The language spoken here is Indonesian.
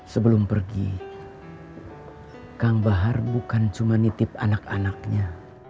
sebelum pergi kang bahar bukan cuma nitip anak anaknya